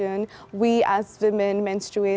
kami sebagai wanita menstruasi